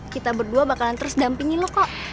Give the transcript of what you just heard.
kita berdua bakalan terus dampingin lo kok